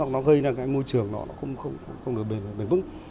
nó gây ra môi trường không được bền vững